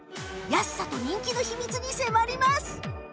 安さと人気の秘密に迫ります！